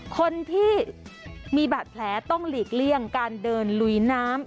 คนที่มีบาดแผลต้องหลีกเลี่ยงการเดินลุยน้ำ